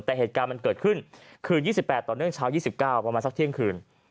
แต่เหตุการณ์มันเกิดขึ้นคืน๒๘ต่อเนื่องเช้า๒๙ประมาณสักเที่ยงคืน